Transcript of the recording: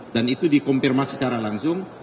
dan itu dikompirmasi secara langsung